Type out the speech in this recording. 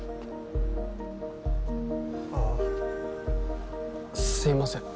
あすいません